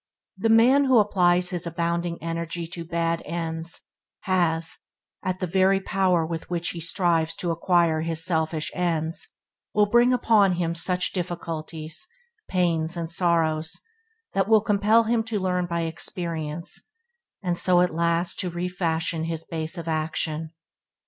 The man who applies his abounding energy to bad ends, has, at the very power with which the strives to acquire his selfish ends, will bring upon him such difficulties, pains, and sorrows, that will compel him to learn by experience, and so at last to re fashion his base of action.